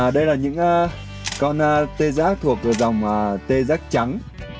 đây là những con tê giác thuộc dòng tê giác trắng